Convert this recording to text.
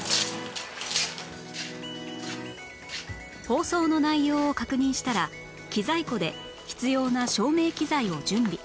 放送の内容を確認したら機材庫で必要な照明機材を準備